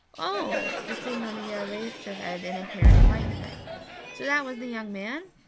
'Oh!' The signorina raised her head in apparent enlightenment. 'So that was the young man?